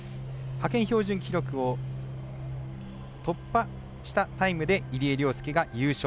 派遣標準記録を突破したタイムで入江陵介が優勝。